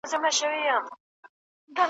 له لېوه خلاص سې قصاب دي بیايي `